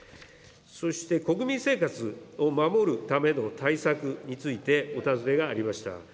そして、国民生活を守るための対策についてお尋ねがありました。